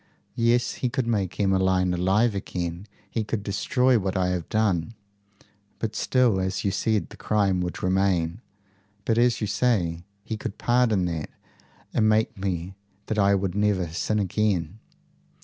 "Yes. He could make Emmeline alive again. He could destroy what I have done." "But still, as you say, the crime would remain." "But, as you say, he could pardon that, and make me that I would never never sin again."